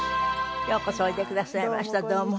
ようこそおいでくださいましたどうも。